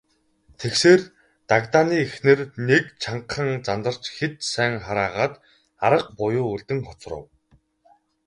Тэгсээр, Дагданы эхнэр нэг чангахан зандарч хэд сайн хараагаад арга буюу үлдэн хоцров.